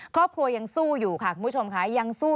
ครอบครัวยังสู้อยู่ค่ะคุณผู้ชมค่ะยังสู้